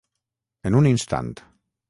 En un instant.